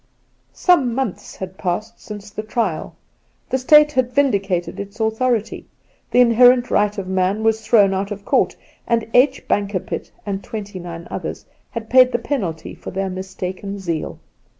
Some months had passed since the trial. The State had vindicated its authority; the inherent right of man was thrown out of court ; and ' H. Bankerpitt and Twenty nine Others ' had paid the penalty for their mistaken zeal.